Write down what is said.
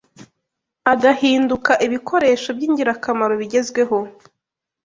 agahinduka ibikoresho by’ingirakamaro bigezweho